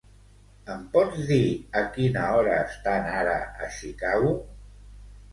Em pots dir a quina hora estan ara a Chicago?